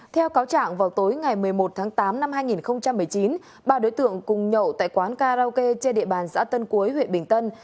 theo cáo trạng vào tối ngày một mươi một tháng tám năm hai nghìn một mươi chín ba đối tượng cùng nhậu tại quán karaoke trên địa bàn giã tân cuối huyện bình tân